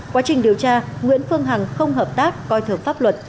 quá trình điều tra nguyễn phương hằng không hợp tác coi thường pháp luật